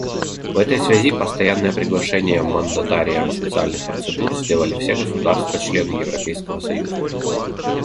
В этой связи постоянное приглашение мандатариям специальных процедур сделали все государства — члены Европейского союза.